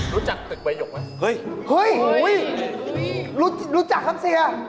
รู้จักตึกไบหยกมั้ยเฮ่ยเฮ่ยรู้จักคำเสีย